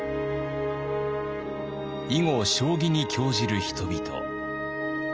囲碁将棋に興じる人々。